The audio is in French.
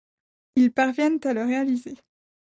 Ils parviennent à le réaliser.